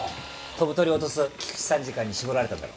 飛ぶ鳥落とす菊池参事官に絞られたんだろ？